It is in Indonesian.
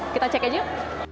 kita cek aja yuk